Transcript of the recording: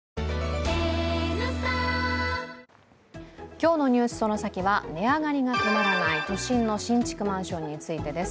今日の「ＮＥＷＳそのサキ！」は値上がりが止まらない都心の新築マンションについてです